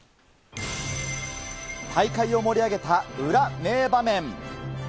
大会を盛り上げた裏名場面。